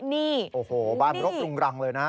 นี่โอ้โหบ้านรกรุงรังเลยนะ